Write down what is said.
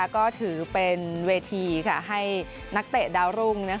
ก็ถือเป็นเวทีให้นักเตะดาวรุ่ง